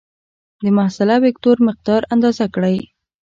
د محصله وکتور مقدار اندازه کړئ.